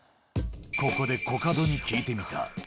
ここでコカドに聞いてみた。